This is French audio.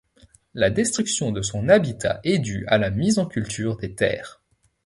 La destruction de son habitat est due à la mise en culture des terres.